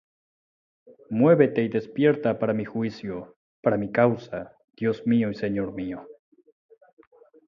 Muévete y despierta para mi juicio, Para mi causa, Dios mío y Señor mío.